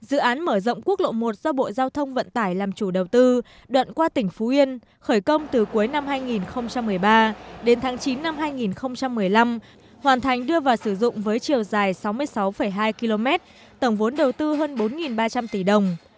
dự án mở rộng quốc lộ một do bộ giao thông vận tải làm chủ đầu tư đoạn qua tỉnh phú yên khởi công từ cuối năm hai nghìn một mươi ba đến tháng chín năm hai nghìn một mươi năm hoàn thành đưa vào sử dụng với chiều dài sáu mươi sáu hai km tổng vốn đầu tư hơn bốn ba trăm linh tỷ đồng